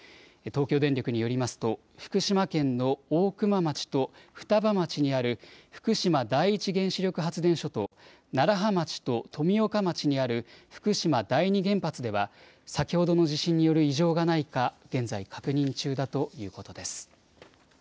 東京電力によりますと福島県の大熊町と双葉町にある福島第一原子力発電所と楢葉町と富岡町にある福島第二原発では先ほどの地震による異常がないか現在、確認中だということです。